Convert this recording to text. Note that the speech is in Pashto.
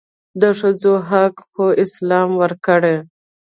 دښځو حق خواسلام ورکړي